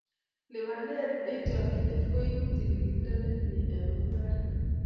Lipanet eng chokchinet koibu tilyandit ne mie eng mungaret